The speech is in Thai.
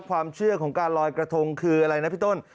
ความเชื่อของการลอยกระทงคืออะไรนะพี่ต้น